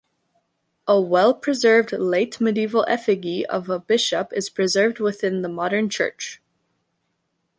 A well-preserved late medieval effigy of a bishop is preserved within the modern church.